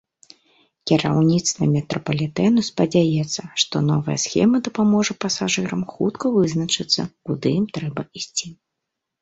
Кіраўніцтва метрапалітэну спадзяецца, што новая схема дапаможа пасажырам хутка вызначыцца, куды ім трэба ісці.